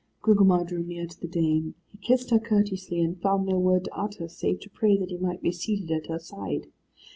Gugemar drew near to the dame. He kissed her courteously, and found no word to utter, save to pray that he might be seated at her side.